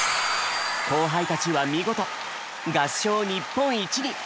後輩たちは見事合唱日本一に！